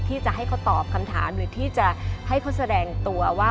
ที่จะให้เขาตอบคำถามหรือที่จะให้เขาแสดงตัวว่า